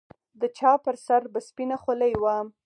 د چا پر سر به سپينه خولۍ وه.